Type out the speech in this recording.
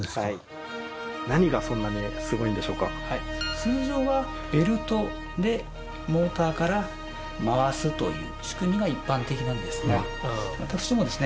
通常はベルトでモーターから回すという仕組みが一般的なんですが私どもですね